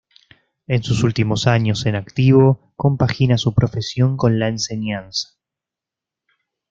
En sus últimos años en activo compagina su profesión con la enseñanza.